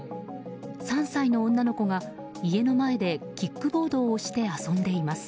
３歳の女の子が家の前でキックボードをして遊んでいます。